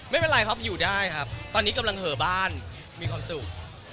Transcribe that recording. ไม่เป็นไรครับอยู่ได้ครับตอนนี้กำลังเหอะบ้านมีความสุข